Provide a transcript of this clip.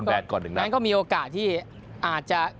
อ่าก็มีโอกาสที่อาจจะคือ